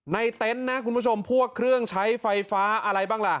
เต็นต์นะคุณผู้ชมพวกเครื่องใช้ไฟฟ้าอะไรบ้างล่ะ